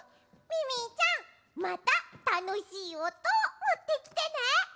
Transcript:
ミミィちゃんまたたのしいおとをもってきてね。